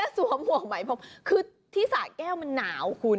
สวมหมวกไหมพรมคือที่สะแก้วมันหนาวคุณ